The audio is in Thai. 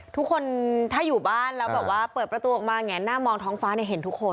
ทุกคนถ้าอยู่บ้านแล้วแบบว่าเปิดประตูออกมาแงนหน้ามองท้องฟ้าเนี่ยเห็นทุกคน